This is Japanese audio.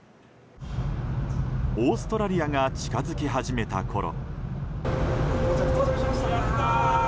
オーストラリアが近づき始めたころ。